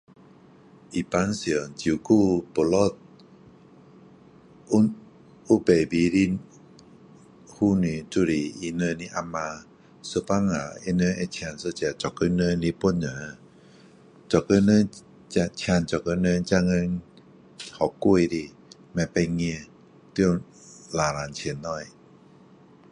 一般上照顾肚子有 baby 的妇女就是他们的啊妈有时候他们会请一个做工人帮助做工人请做工人现今蛮贵的不便宜需要有两三千块